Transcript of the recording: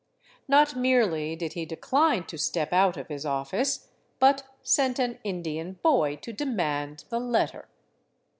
Not merely did he de cline to step out of his office, but sent an Indian boy to demand the letter.